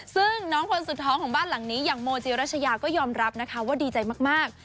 ซึ่งน้องคนสุดท้องของบ้านหลังนี้อย่างโมจิรัชยาก็ยอมรับนะคะว่าดีใจมาก